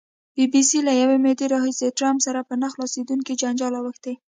بي بي سي له یوې مودې راهیسې ټرمپ سره په نه خلاصېدونکي جنجال اوښتې.